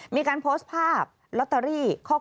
มีการโพสต์ภาพลอตเตอรี่